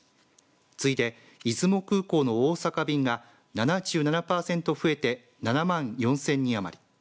次いで出雲空港の大阪便が７７パーセント増えて７万４０００人余り。